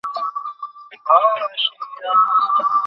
যা থেকে আমরা প্রচুর ফসল পেতাম।